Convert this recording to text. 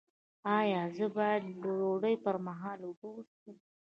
ایا زه باید د ډوډۍ پر مهال اوبه وڅښم؟